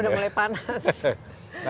sudah mulai panas